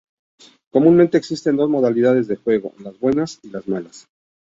Comúnmente existen dos modalidades de juego: "las buenas" y "las malas".